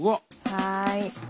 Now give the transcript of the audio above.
はい。